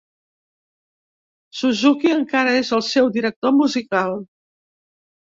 Suzuki encara és el seu director musical.